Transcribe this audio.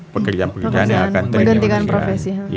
pekerjaan pekerjaan yang akan terekspresi